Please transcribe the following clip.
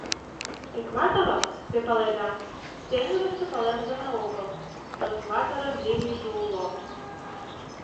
Экваторым, те паледа, теҥызыште палемдыме огыл, но экваторын линийже уло.